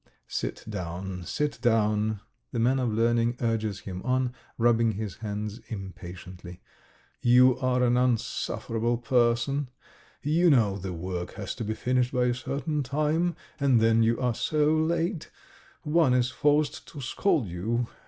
"Sit down, sit down," the man of learning urges him on, rubbing his hands impatiently. "You are an unsufferable person. ... You know the work has to be finished by a certain time, and then you are so late. One is forced to scold you.